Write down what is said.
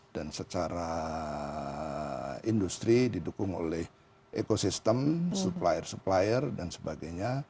dan secara industri didukung oleh ekosistem supplier supplier dan sebagainya